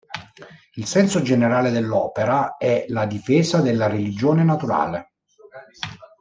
Il senso generale dell'opera è la difesa della religione naturale.